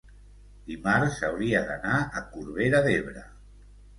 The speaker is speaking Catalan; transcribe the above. dimarts hauria d'anar a Corbera d'Ebre.